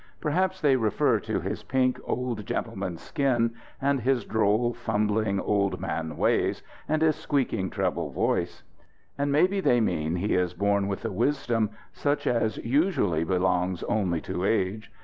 Perhaps they refer to his pink, old gentleman's skin and his droll, fumbling, old man ways and his squeaking treble voice. And maybe they mean he is born with a wisdom such as usually belongs only to age.